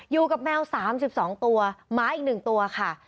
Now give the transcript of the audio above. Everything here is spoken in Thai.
อยู่กับแมว๓๒ตัวหมาอีก๑ตัวค่ะ